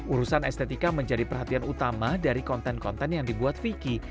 urusan estetika menjadi perhatian utama dari konten konten yang dibuat vicky